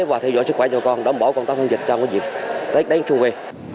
và theo dõi sức khỏe cho con đảm bảo con tăng cường dịch trong cái dịp tết đánh xuân về